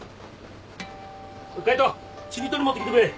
海斗ちり取り持ってきてくれ。